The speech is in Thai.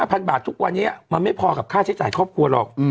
พันบาททุกวันนี้มันไม่พอกับค่าใช้จ่ายครอบครัวหรอก